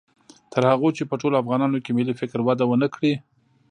تر هغو چې په ټولو افغانانو کې ملي فکر وده و نه کړي